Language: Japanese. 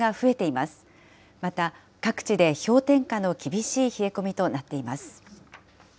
また、各地で氷点下の厳しい冷え込みとなっています。